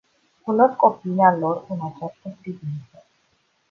Cunosc opinia lor în această privință.